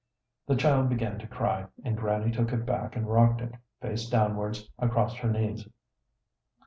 The child began to cry, and Grannie took it back and rocked it, face downwards, across her knees.